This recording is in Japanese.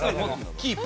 キープ？